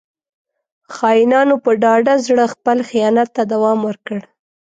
• خاینانو په ډاډه زړه خپل خیانت ته دوام ورکړ.